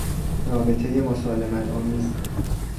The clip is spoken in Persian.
رابطهی مسالمتآمیز